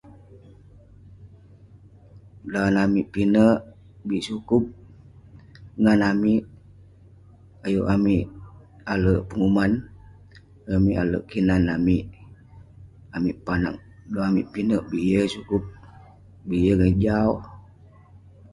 Dan amik pinek, bik sukup..ngan amik, ayuk amik alek penguman, ayuk amik alek kinan amik...amik panag dan amik pinek, bik yeng eh sukup, bik yeng eh jau